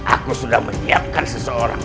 aku sudah menyiapkan seseorang